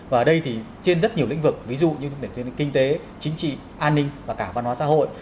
và ở đây thì trên rất nhiều lĩnh vực ví dụ như kinh tế chính trị an ninh và cả văn hóa xã hội